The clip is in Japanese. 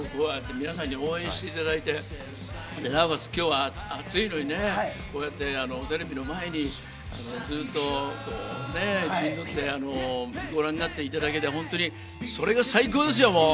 皆さんに応援していただいて、なおかつ、きょうは暑いのにね、こうやってテレビの前にずっと陣取って、ご覧になっていただけて、本当にそれが最高ですよ、もう！